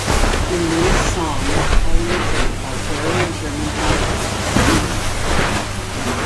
In many songs elements of the Bavarian German Dialect are used.